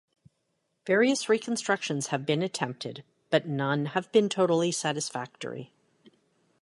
Various reconstructions have been attempted, but none have been totally satisfactory.